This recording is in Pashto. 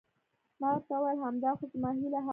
ما ورته وویل: همدا خو زما هیله هم وه.